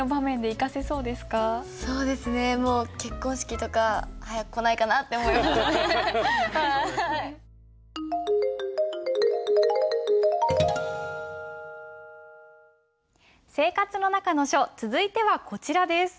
「生活の中の書」続いてはこちらです。